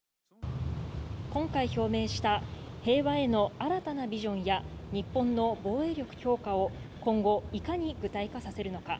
今回表明した平和への新たなビジョンや、日本の防衛力強化を今後いかに具体化させるのか。